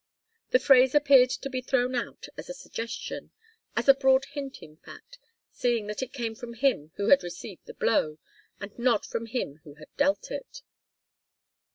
The phrase appeared to be thrown out as a suggestion as a very broad hint, in fact, seeing that it came from him who had received the blow, and not from him who had dealt it.